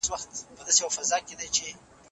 هم قومي تړاو لري، هم جغرافیایي».